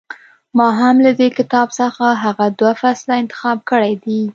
ما هم له دې کتاب څخه هغه دوه فصله انتخاب کړي دي.